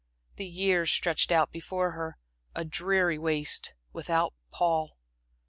The years stretched out before her, a dreary waste without Paul.